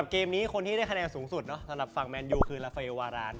อะผมพูดเองนะ